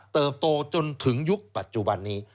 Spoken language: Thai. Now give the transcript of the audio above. โตจนถึงยุคปัจจุบันนี้